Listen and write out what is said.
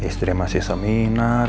istri masih seminar